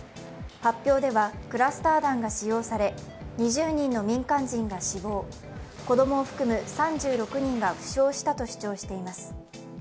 発表ではクラスター弾が使用され、２０人の民間人が死亡、子供を含む３６人が負傷したと主張しています。